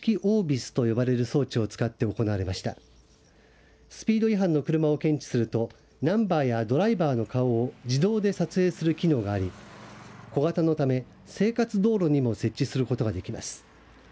スピード違反の車を検知するとナンバーやドライバーの顔を自動で撮影する機能があり小型のため生活道路にも設置することができます。